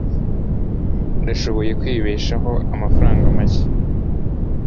Ndashoboye kwibeshaho amafaranga make.